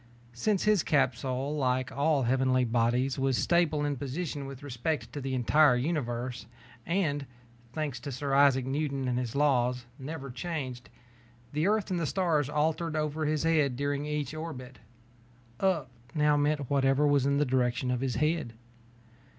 Since his capsule, like all heavenly bodies, was stable in position with respect to the entire universe and, thanks to Sir Isaac Newton and his laws, never changed, the Earth and the stars alternated over his head during each orbit. "Up" now meant whatever was in the direction of his head.